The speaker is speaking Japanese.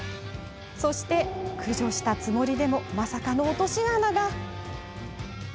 駆除したつもりでもまさかの落とし穴が。